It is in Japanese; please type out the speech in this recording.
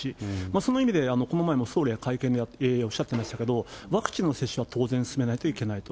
その意味でこの前も総理は会見でおっしゃっていましたけれども、ワクチンの接種は当然進めないといけないと。